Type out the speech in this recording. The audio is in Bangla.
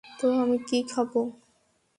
তো আমি কী খাবো?